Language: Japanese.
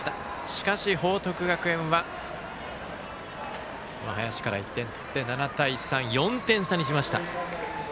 しかし報徳学園は林から１点取って７対３４点差にしました。